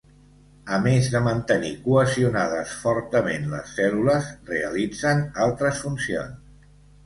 A més de mantenir cohesionades fortament les cèl·lules realitzen altres funcions.